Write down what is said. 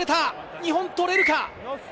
日本取れるか。